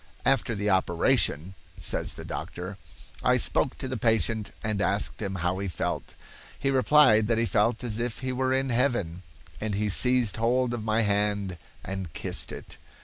"After the operation," says the doctor, "I spoke to the patient and asked him how he felt. He replied that he felt as if he were in heaven, and he seized hold of my hand and kissed it.